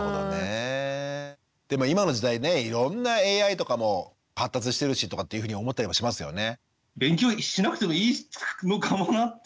でも今の時代ねいろんなＡＩとかも発達してるしとかっていうふうに思ったりもしますよね。